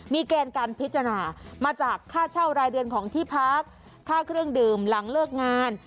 มีเกณฑ์การพิจารณามาจากค่าเช่ารายเดือนของที่พักค่าเครื่องดื่มหลังเลิกงาน